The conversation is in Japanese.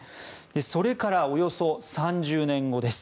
それから、およそ３０年後です。